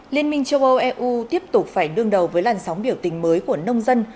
liên minh châu âu eu tiếp tục phải đương đầu với làn sóng biểu tình mới của nông dân